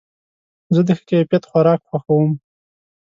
زه د ښه کیفیت خوراک خوښوم.